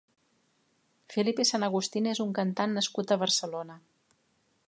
Felipe San Agustín és un cantant nascut a Barcelona.